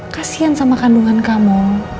kasian sama kandungan kamu